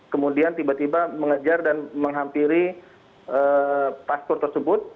kemudian tiba tiba mengejar dan menghampiri paspor tersebut